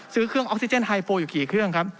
ซื้อเครื่องออกซิเจนไฮโฟอยู่กี่เครื่องครับ